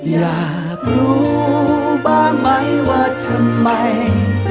อยากรู้บ้างไหมว่าทำไม